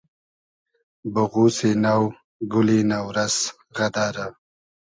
بوغوسی نۆ , گولی نۆ رئس غئدئرۂ